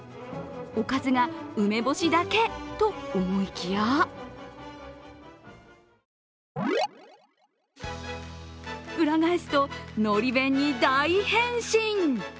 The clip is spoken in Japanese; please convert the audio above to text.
おかずが梅干しだけと思いきや裏返すと、のり弁に大変身。